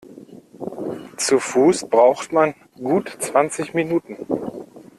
Zu Fuß braucht man gut zwanzig Minuten.